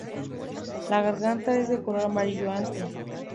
La garganta es de color amarillo ante.